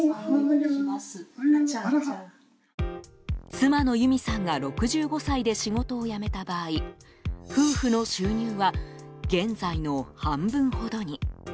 妻の由実さんが６５歳で仕事を辞めた場合夫婦の収入は現在の半分ほどに。